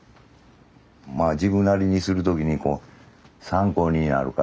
まあ自分なりにする時に参考になるから。